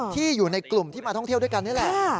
ที่อยู่ในกลุ่มที่มาท่องเที่ยวด้วยกันนี่แหละ